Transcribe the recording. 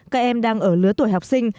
các em đang ở lứa tuổi học sinh